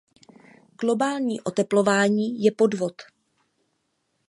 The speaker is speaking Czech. Globální oteplování je podvod.